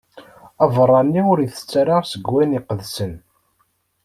Abeṛṛani ur itett ara seg wayen iqedsen.